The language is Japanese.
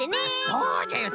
そうじゃよ